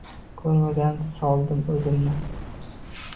Ko’rmaganga soldim o’zimni